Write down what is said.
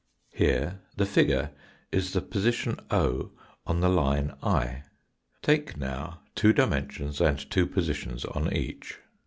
Here the figure is the position o on the line i. Take now two dimensions and two positions on each.